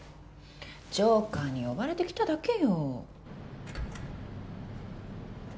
ジョーカーに呼ばれて来ただけよ